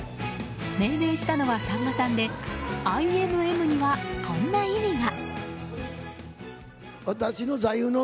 命名したのは、さんまさんでＩＭＭには、こんな意味が。